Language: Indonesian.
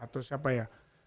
terus apa ya